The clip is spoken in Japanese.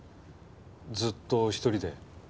ずっとお１人で？